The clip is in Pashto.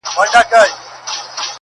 زما ياران اوس په دې شكل سـوله_